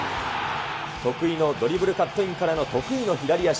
得意のドリブルカットインからの、得意の左足。